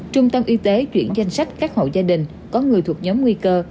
trung tâm y tế chuyển danh sách các hộ gia đình có người thuộc nhóm nguy cơ